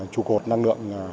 trụ cột năng lượng